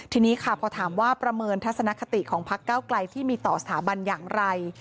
ทีนี้ค่ะพอถามว่าประเมินทัศนคติของพักเก้าไกลที่มีต่อสถาบันอย่างไร